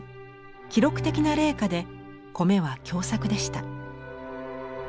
記録的な冷夏で米は凶作でした。